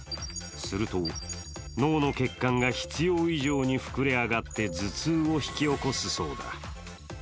すると、脳の血管が必要以上に膨れ上がって頭痛を引き起こすそうだ。